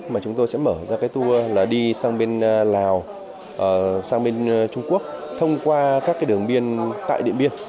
mà chúng tôi sẽ mở ra cái tour là đi sang bên lào sang bên trung quốc thông qua các cái đường biên tại điện biên